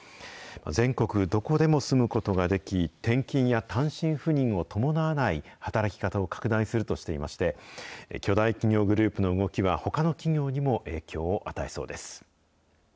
全国どこでも住むことができ、転勤や単身赴任を伴わない働き方を拡大するとしていまして、巨大企業グループの動きは、ほかの企業にも影響を与えそうです。